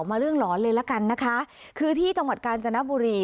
มาเรื่องหลอนเลยละกันนะคะคือที่จังหวัดกาญจนบุรี